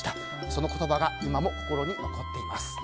その言葉が今も心に残っています。